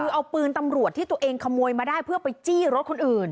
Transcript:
คือเอาปืนตำรวจที่ตัวเองขโมยมาได้เพื่อไปจี้รถคนอื่น